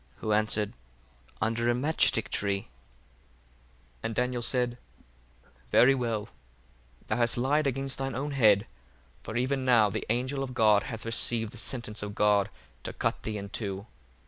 Who answered, Under a mastick tree. 1:55 And Daniel said, Very well; thou hast lied against thine own head; for even now the angel of God hath received the sentence of God to cut thee in two.